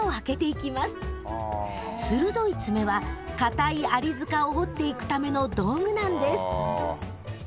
鋭いツメはかたいアリ塚を掘っていくための道具なんです。